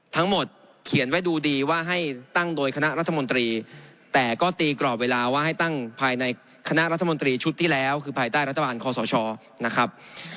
ทั้งหมดเขียนไว้ดูดีว่าให้ตั้งโดยคณะรัฐมนตรีแต่ก็ตีกรอบเวลาว่าให้ตั้งภายในคณะรัฐมนตรีชุดที่แล้วคือภายใต้รัฐบาลคอสชนะครับ